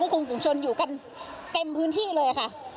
คุมกลุ่มชนอยู่กันเต็มพื้นที่เลยค่ะ